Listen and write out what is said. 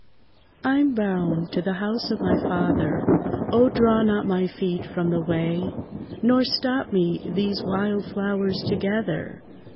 I 'm bound to the house of my Father; O draw not my feet from the way; Nor stop me these wild flowers to gather!